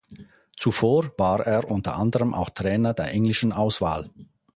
Zuvor war er unter anderem auch Trainer der englischen Auswahl.